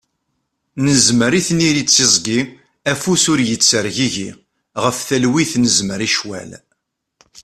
Nezmer i tniri d tiẓgi, afus ur ittergigi, ɣef talwit nezmer i ccwal.